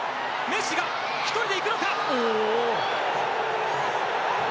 メッシが１人で行くのか！